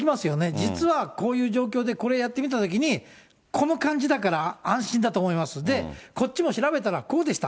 実はこういう状況で、これやってみたときに、この感じだから安心だと思います、で、こっちも調べたらこうでした。